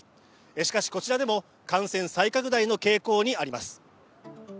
しかしこちらでも感染再拡大の傾向にあります。